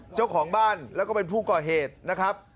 เจ้าของบ้านแล้วก็เป็นผู้ก่อเหตุนะครับ